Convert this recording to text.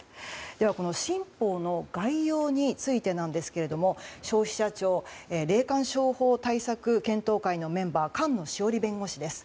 では、この新法の概要についてなんですけれども消費者庁霊感商法対策検討会のメンバー菅野志桜里弁護士です。